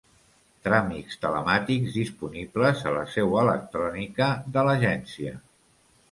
Tràmits telemàtics disponibles a la seu electrònica de l'Agència.